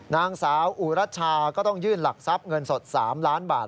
นางสาวอุรัชชาก็ต้องยื่นหลักทรัพย์เงินสด๓ล้านบาท